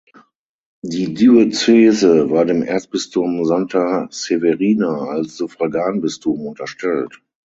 Die Diözese war dem Erzbistum Santa Severina als Suffraganbistum unterstellt.